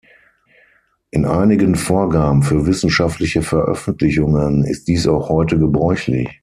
In einigen Vorgaben für wissenschaftliche Veröffentlichungen ist dies auch heute gebräuchlich.